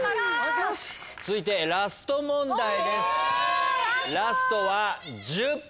続いてラスト問題です。え！